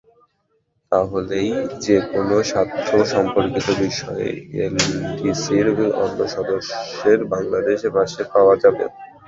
তাহলেই যেকোনো স্বার্থসম্পর্কিত বিষয়ে এলডিসির অন্য সদস্যদের বাংলাদেশের পাশে পাওয়া যাবে।